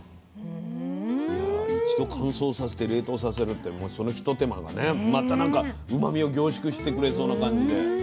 一度乾燥させて冷凍させるってそのひと手間がねまたなんかうまみを凝縮してくれそうな感じで。